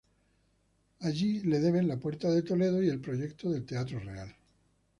Así, se le deben la puerta de Toledo y el proyecto del Teatro Real.